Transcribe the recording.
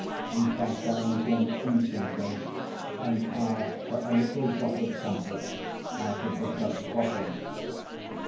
He sat down again instantly, and asked for a little drop of comfort out of the Dutch bottle.